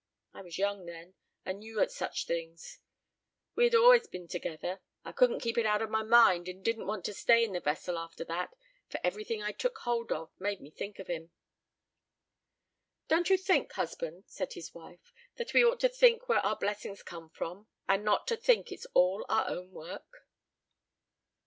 I was young then, and new at such things. We had allers been together. I couldn't keep it out of my mind, and didn't want to stay in the vessel after that, for everything I took hold of made me think of him." "Don't you think, husband," said his wife, "that we ought to think where our blessings come from, and not to think it's all our own work?"